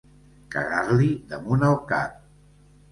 Cagar-li damunt el cap.